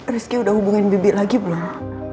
rizky udah hubungin bibi lagi belum